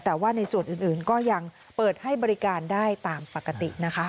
แต่ว่าในส่วนอื่นก็ยังเปิดให้บริการได้ตามปกตินะคะ